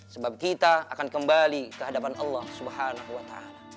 sebab kita akan kembali ke hadapan allah swt